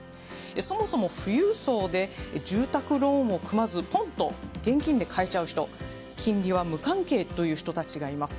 そもそも富裕層で住宅ローンを組まず、ぽんと現金で買えちゃう人金利は無関係という人たちがいます。